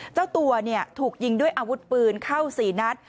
เจ้าตัวถูกยิงด้วยอาวุธปืนเข้า๔นัด